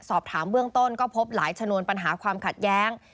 สอบถามเบื้องต้นก็พบหลายชนวนปัญหาความขัดแย้ง